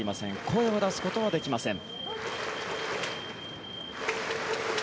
声を出すことはできません。